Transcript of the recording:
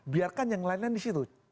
biarkan yang lainnya disitu